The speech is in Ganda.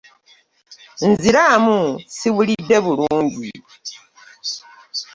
Nziriramu siwulide bulungi.